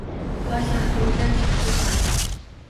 Va shahrimizdan chiqib ketardi.